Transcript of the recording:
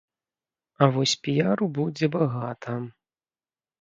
А вось піяру будзе багата.